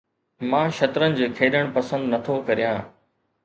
مان شطرنج کيڏڻ پسند نٿو ڪريان